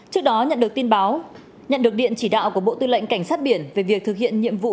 trước đó nhận được tin báo nhận được điện chỉ đạo của bộ tư lệnh cảnh sát biển về việc thực hiện nhiệm vụ